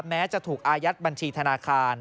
แม้จะถูกอายัดบัญชีธนาคาร